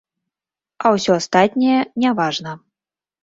А ўсё астатняе не важна.